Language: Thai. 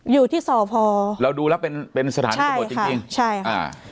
อยู่ที่สอพอเราดูแล้วเป็นเป็นสถานที่ประโยชน์จริงจริงใช่ค่ะใช่ค่ะ